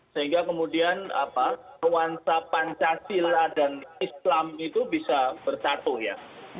sehingga kemudian ruansa pancasila dan islam itu bisa bersatu ya